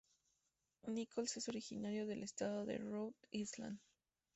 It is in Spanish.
Nichols es originario del Estado de Rhode Island.